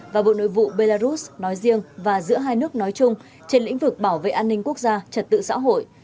và bộ nội vụ belarus nói riêng và giữa hai nước nói chung trên lĩnh vực bảo vệ an ninh quốc gia trật tự xã hội